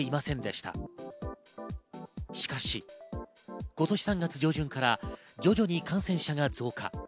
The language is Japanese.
しかし、今年３月上旬から徐々に感染者が増加。